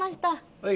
はい。